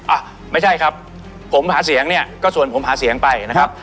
อ่ะไม่ใช่ครับผมหาเสียงเนี่ยก็ส่วนผมหาเสียงไปนะครับ